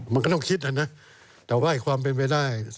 มันก็ต้องคิดนะแต่ว่าความเป็นไปได้